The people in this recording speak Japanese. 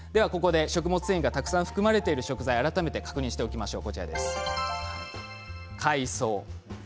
食物繊維がたくさん含まれてる食材を改めて確認しておきましょう。